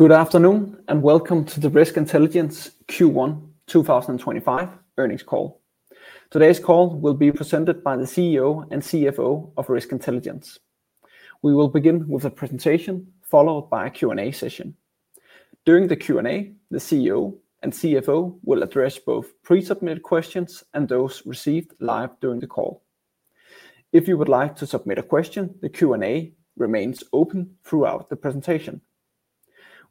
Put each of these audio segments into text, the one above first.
Good afternoon and welcome to the Risk Intelligence Q1 2025 Earnings Call. Today's call will be presented by the CEO and CFO of Risk Intelligence. We will begin with a presentation followed by a Q&A session. During the Q&A, the CEO and CFO will address both pre-submitted questions and those received live during the call. If you would like to submit a question, the Q&A remains open throughout the presentation.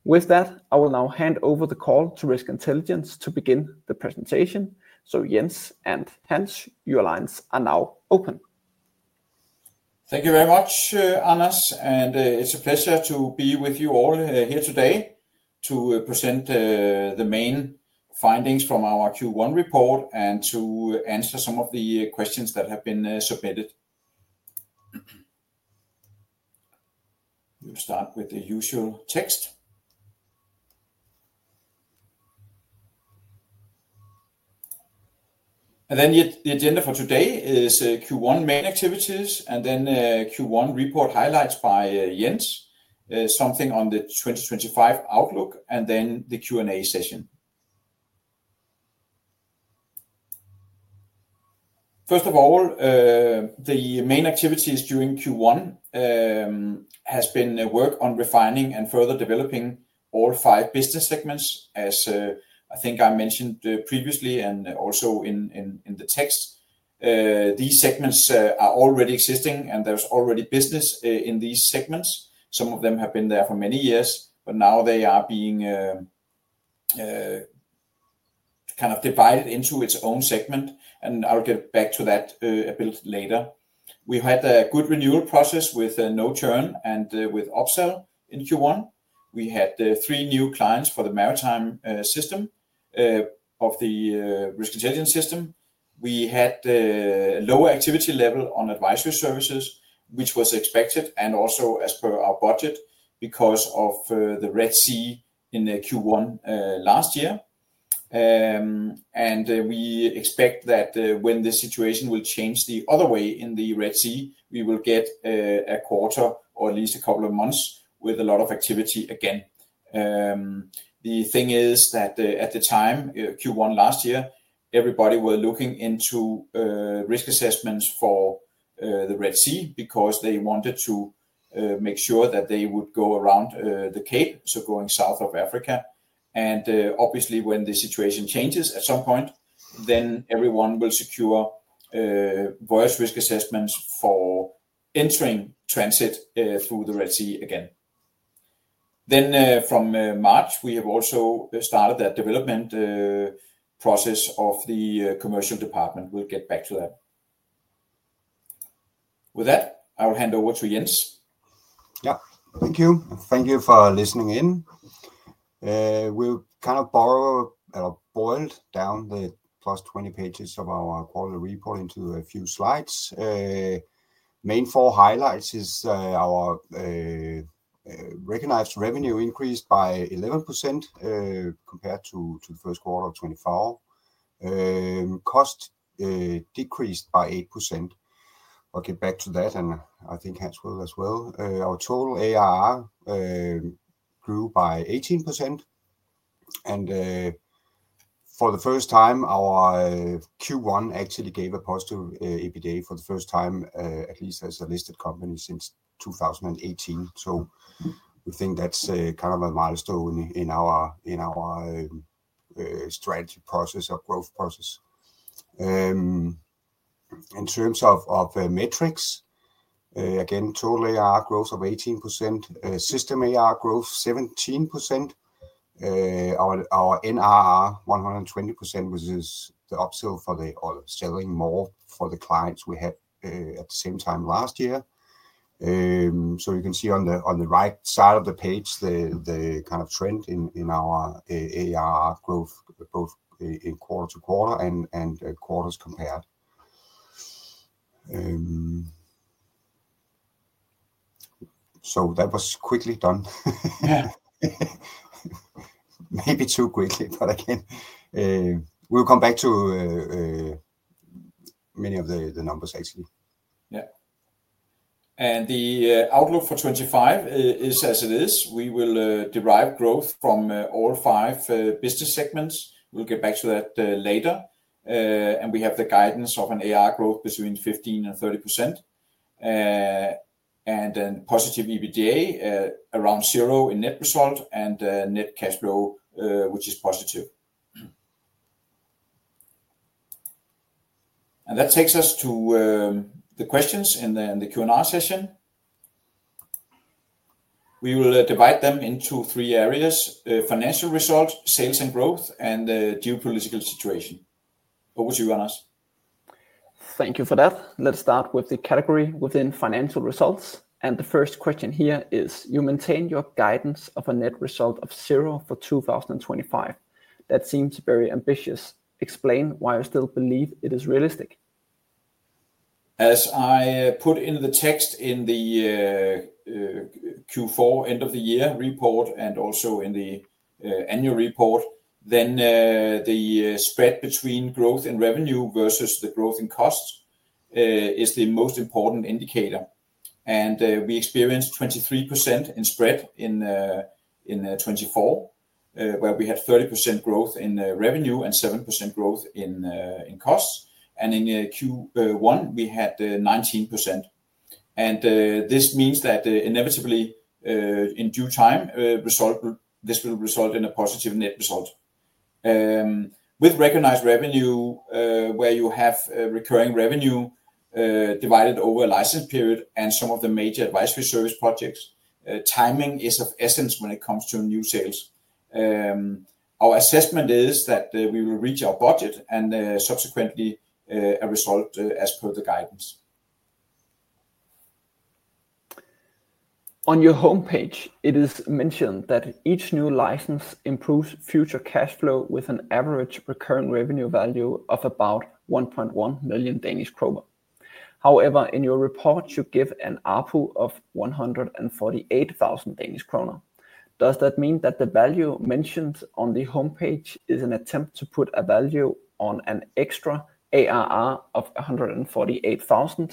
With that, I will now hand over the call to Risk Intelligence to begin the presentation. Jens and Hans, your lines are now open. Thank you very much, Anders, and it's a pleasure to be with you all here today to present the main findings from our Q1 report and to answer some of the questions that have been submitted. We'll start with the usual text. The agenda for today is Q1 main activities and then Q1 report highlights by Jens, something on the 2025 outlook, and then the Q&A session. First of all, the main activities during Q1 have been work on refining and further developing all five business segments, as I think I mentioned previously and also in the text. These segments are already existing, and there's already business in these segments. Some of them have been there for many years, but now they are being kind of divided into its own segment, and I'll get back to that a bit later. We had a good renewal process with no-turn and with upsell in Q1. We had three new clients for the maritime system of the Risk Intelligence system. We had a lower activity level on advisory services, which was expected, and also as per our budget because of the Red Sea in Q1 last year. We expect that when this situation will change the other way in the Red Sea, we will get a quarter or at least a couple of months with a lot of activity again. The thing is that at the time Q1 last year, everybody was looking into risk assessments for the Red Sea because they wanted to make sure that they would go around the Cape, so going south of Africa. Obviously, when the situation changes at some point, then everyone will secure various risk assessments for entering transit through the Red Sea again. From March, we have also started that development process of the commercial department. We'll get back to that. With that, I'll hand over to Jens. Yeah, thank you. Thank you for listening in. We'll kind of boil down the first 20 pages of our quarterly report into a few slides. Main four highlights are our recognized revenue increase by 11% compared to the first quarter of 2024, cost decreased by eight percent. I'll get back to that, and I think Hans will as well. Our total ARR grew by 18%. For the first time, our Q1 actually gave a positive EBITDA for the first time, at least as a listed company since 2018. We think that's kind of a milestone in our strategy process, our growth process. In terms of metrics, again, total ARR growth of 18%, system ARR growth 17%, our NRR 120%, which is the upsell for the or selling more for the clients we had at the same time last year. You can see on the right side of the page, the kind of trend in our ARR growth both in quarter to quarter and quarters compared. That was quickly done. Maybe too quickly, but again, we'll come back to many of the numbers, actually. Yeah. The outlook for 2025 is as it is. We will derive growth from all five business segments. We'll get back to that later. We have the guidance of an ARR growth between 15%-30%, and then positive EBITDA around zero in net result and net cash flow, which is positive. That takes us to the questions in the Q&A session. We will divide them into three areas: financial result, sales and growth, and geopolitical situation. Over to you, Anders. Thank you for that. Let's start with the category within financial results. The first question here is, you maintain your guidance of a net result of zero for 2025. That seems very ambitious. Explain why you still believe it is realistic. As I put in the text in the Q4 end of the year report and also in the annual report, the spread between growth in revenue versus the growth in costs is the most important indicator. We experienced 23% in spread in 2024, where we had 30% growth in revenue and seven percent growth in costs. In Q1, we had 19%. This means that inevitably, in due time, this will result in a positive net result. With recognized revenue, where you have recurring revenue divided over a license period and some of the major advisory service projects, timing is of essence when it comes to new sales. Our assessment is that we will reach our budget and subsequently a result as per the guidance. On your homepage, it is mentioned that each new license improves future cash flow with an average recurring revenue value of about 1.1 million Danish kroner. However, in your report, you give an APU of 148,000 Danish kroner. Does that mean that the value mentioned on the homepage is an attempt to put a value on an extra ARR of 148,000,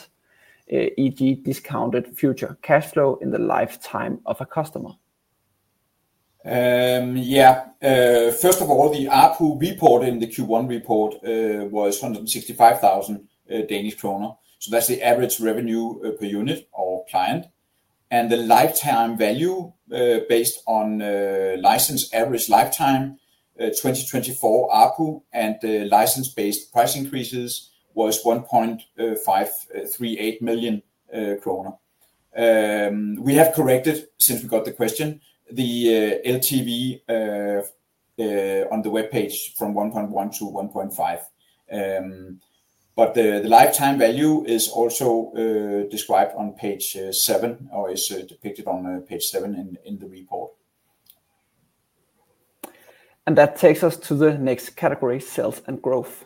e.g., discounted future cash flow in the lifetime of a customer? Yeah. First of all, the APU report in the Q1 report was 165,000 Danish kroner. That is the average revenue per unit or client. The lifetime value based on license average lifetime, 2024 APU, and license-based price increases was 1.538 million kroner. We have corrected since we got the question, the LTV on the webpage from 1.1 million-1.5 million. The lifetime value is also described on page seven or is depicted on page seven in the report. That takes us to the next category, sales and growth.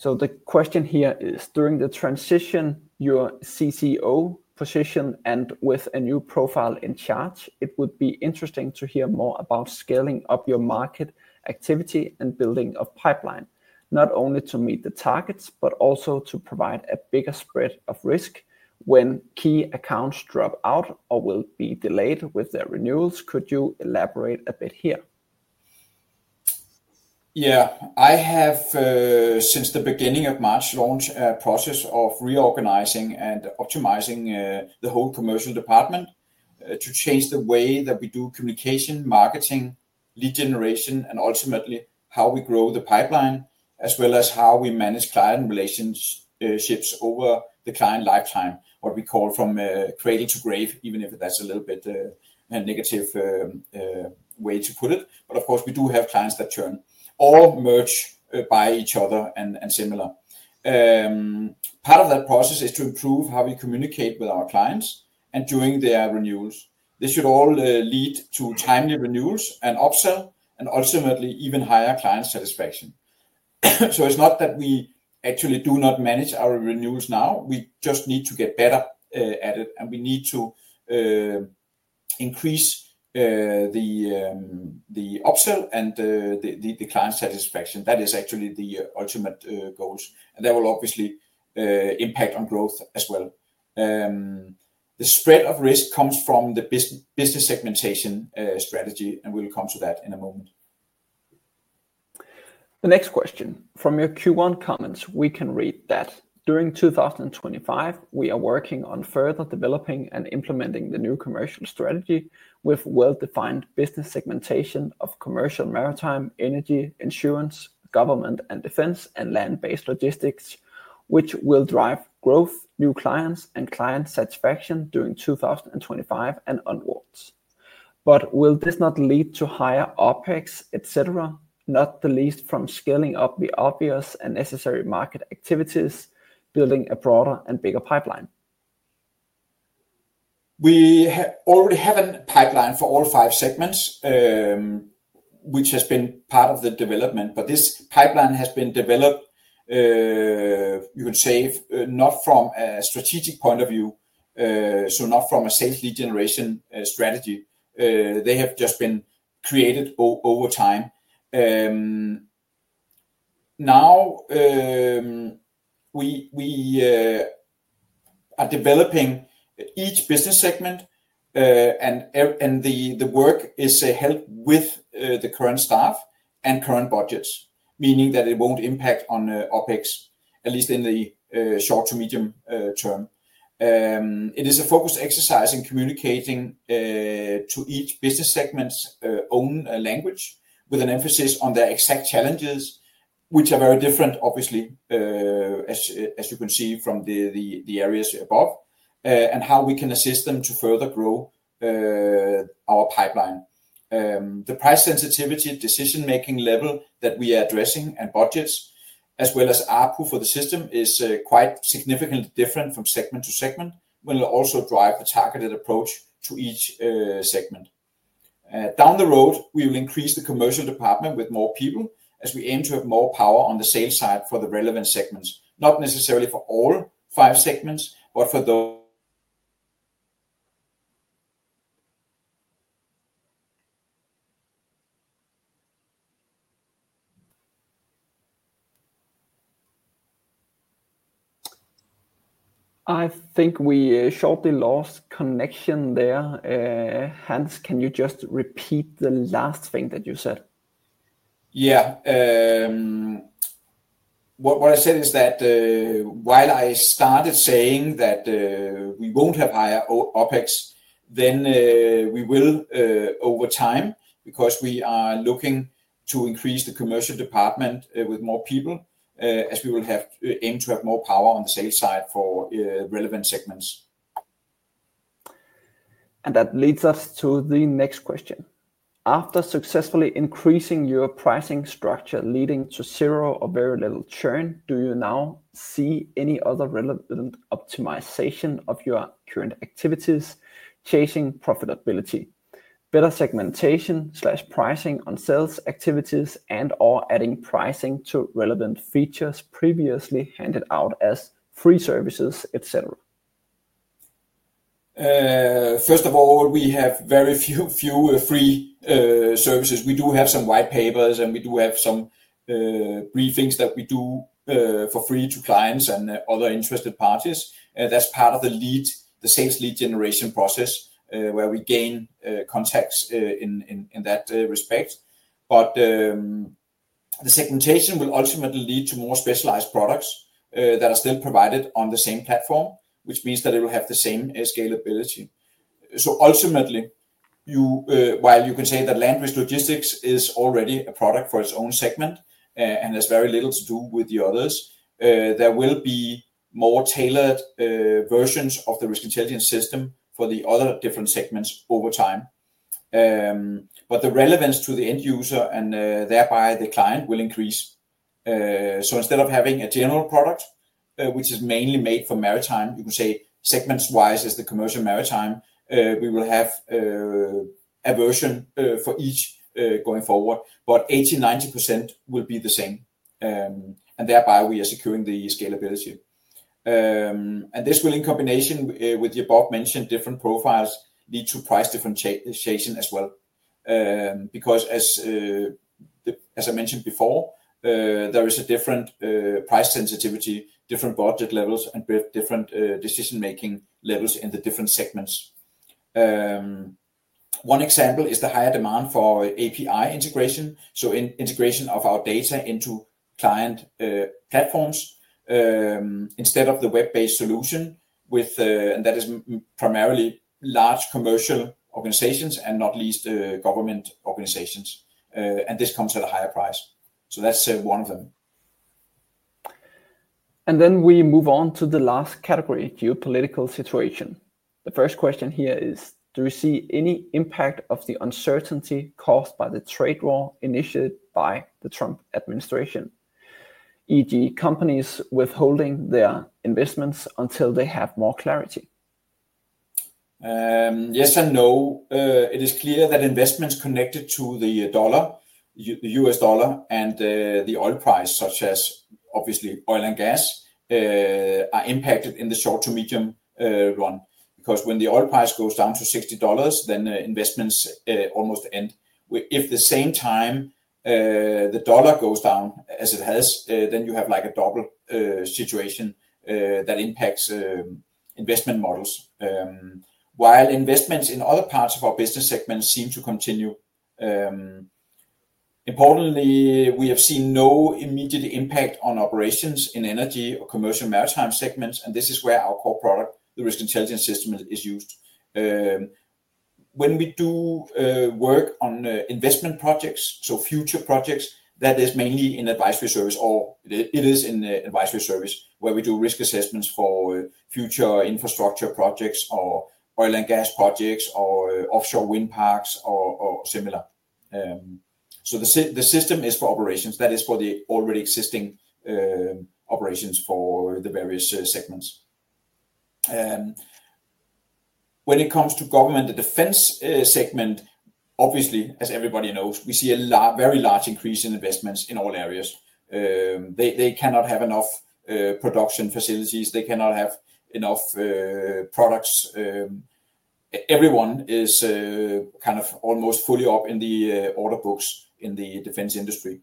The question here is, during the transition, your CCO position and with a new profile in charge, it would be interesting to hear more about scaling up your market activity and building of pipeline, not only to meet the targets, but also to provide a bigger spread of risk when key accounts drop out or will be delayed with their renewals. Could you elaborate a bit here? Yeah, I have, since the beginning of March, launched a process of reorganizing and optimizing the whole commercial department to change the way that we do communication, marketing, lead generation, and ultimately how we grow the pipeline, as well as how we manage client relationships over the client lifetime, what we call from cradle to grave, even if that's a little bit a negative way to put it. Of course, we do have clients that churn, all merged by each other and similar. Part of that process is to improve how we communicate with our clients and during their renewals. This should all lead to timely renewals and upsell and ultimately even higher client satisfaction. It is not that we actually do not manage our renewals now. We just need to get better at it, and we need to increase the upsell and the client satisfaction. That is actually the ultimate goals. That will obviously impact on growth as well. The spread of risk comes from the business segmentation strategy, and we'll come to that in a moment. The next question, from your Q1 comments, we can read that during 2025, we are working on further developing and implementing the new commercial strategy with well-defined business segmentation of commercial maritime, energy, insurance, government and defense, and land-based logistics, which will drive growth, new clients, and client satisfaction during 2025 and onwards. Will this not lead to higher OpEx, et cetera, not the least from scaling up the obvious and necessary market activities, building a broader and bigger pipeline? We already have a pipeline for all five segments, which has been part of the development. This pipeline has been developed, you can say, not from a strategic point of view, so not from a sales lead generation strategy. They have just been created over time. Now we are developing each business segment, and the work is held with the current staff and current budgets, meaning that it will not impact on OpEx, at least in the short to medium term. It is a focus exercise in communicating to each business segment's own language with an emphasis on their exact challenges, which are very different, obviously, as you can see from the areas above, and how we can assist them to further grow our pipeline. The price sensitivity, decision-making level that we are addressing and budgets, as well as APU for the system, is quite significantly different from segment to segment. We will also drive a targeted approach to each segment. Down the road, we will increase the commercial department with more people as we aim to have more power on the sales side for the relevant segments, not necessarily for all five segments, but for those. I think we shortly lost connection there. Hans, can you just repeat the last thing that you said? Yeah. What I said is that while I started saying that we won't have higher OpEx, then we will over time because we are looking to increase the commercial department with more people as we will aim to have more power on the sales side for relevant segments. That leads us to the next question. After successfully increasing your pricing structure leading to zero or very little churn, do you now see any other relevant optimization of your current activities chasing profitability, better segmentation/pricing on sales activities and/or adding pricing to relevant features previously handed out as free services, et cetera? First of all, we have very few free services. We do have some white papers, and we do have some briefings that we do for free to clients and other interested parties. That is part of the lead, the sales lead generation process, where we gain contacts in that respect. The segmentation will ultimately lead to more specialized products that are still provided on the same platform, which means that it will have the same scalability. Ultimately, while you can say that LandRisk Logistics is already a product for its own segment and has very little to do with the others, there will be more tailored versions of the Risk Intelligence system for the other different segments over time. The relevance to the end user and thereby the client will increase. Instead of having a general product, which is mainly made for maritime, you can say segments-wise as the commercial maritime, we will have a version for each going forward. 80%-90% will be the same, and thereby we are securing the scalability. This will, in combination with the above-mentioned different profiles, lead to price differentiation as well. As I mentioned before, there is a different price sensitivity, different budget levels, and different decision-making levels in the different segments. One example is the higher demand for API integration, so integration of our data into client platforms instead of the web-based solution, and that is primarily large commercial organizations and not least government organizations. This comes at a higher price. That is one of them. We move on to the last category, geopolitical situation. The first question here is, do you see any impact of the uncertainty caused by the trade war initiated by the Trump administration, e.g., companies withholding their investments until they have more clarity? Yes and no. It is clear that investments connected to the dollar, the U.S. dollar, and the oil price, such as obviously oil and gas, are impacted in the short to medium run. Because when the oil price goes down to $60, then investments almost end. If at the same time the dollar goes down as it has, then you have like a double situation that impacts investment models. While investments in other parts of our business segments seem to continue, importantly, we have seen no immediate impact on operations in energy or commercial maritime segments. This is where our core product, the Risk Intelligence system, is used. When we do work on investment projects, so future projects, that is mainly in advisory service, or it is in advisory service where we do risk assessments for future infrastructure projects or oil and gas projects or offshore wind parks or similar. The system is for operations. That is for the already existing operations for the various segments. When it comes to government and defense segment, obviously, as everybody knows, we see a very large increase in investments in all areas. They cannot have enough production facilities. They cannot have enough products. Everyone is kind of almost fully up in the order books in the defense industry.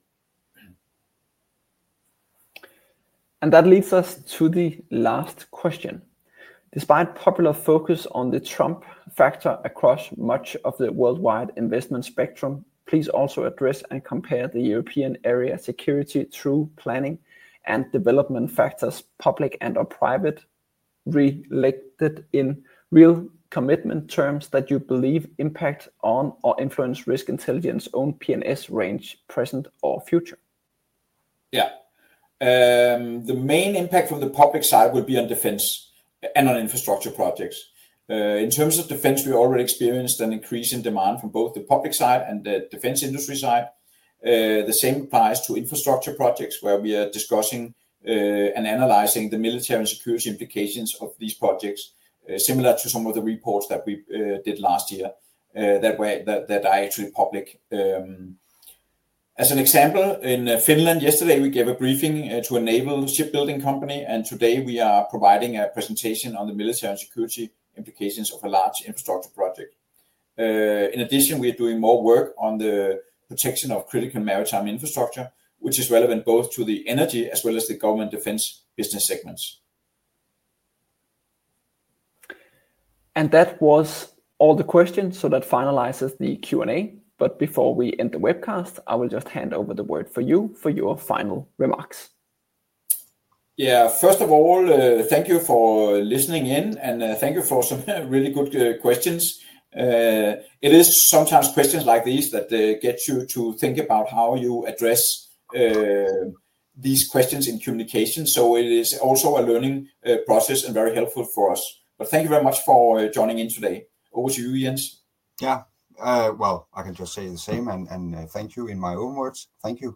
That leads us to the last question. Despite popular focus on the Trump factor across much of the worldwide investment spectrum, please also address and compare the European area security through planning and development factors, public and/or private, related in real commitment terms that you believe impact on or influence Risk Intelligence own P&S range present or future. Yeah. The main impact from the public side would be on defense and on infrastructure projects. In terms of defense, we already experienced an increase in demand from both the public side and the defense industry side. The same applies to infrastructure projects where we are discussing and analyzing the military security implications of these projects, similar to some of the reports that we did last year that are actually public. As an example, in Finland yesterday, we gave a briefing to a naval shipbuilding company, and today we are providing a presentation on the military security implications of a large infrastructure project. In addition, we are doing more work on the protection of critical maritime infrastructure, which is relevant both to the energy as well as the government defense business segments. That was all the questions, so that finalizes the Q&A. Before we end the webcast, I will just hand over the word for you for your final remarks. Yeah, first of all, thank you for listening in, and thank you for some really good questions. It is sometimes questions like these that get you to think about how you address these questions in communication. It is also a learning process and very helpful for us. Thank you very much for joining in today. Over to you, Jens. Yeah, I can just say the same and thank you in my own words. Thank you.